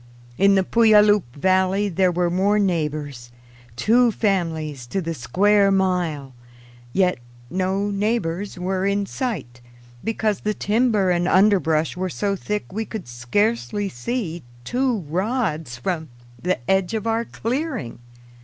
In the Puyallup valley there were more neighbors two families to the square mile. Yet no neighbors were in sight, because the timber and underbrush were so thick we could scarcely see two rods from the edge of our clearing.